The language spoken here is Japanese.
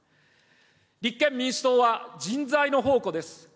立憲民主党は人材の宝庫です。